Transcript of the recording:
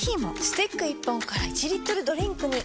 スティック１本から１リットルドリンクに！